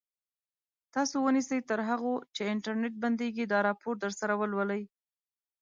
تاسو ونیسئ تر هغو چې انټرنټ بندېږي دا راپور درسره ولولئ.